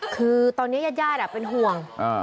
คือตอนนี้ญาติเป็นห่วง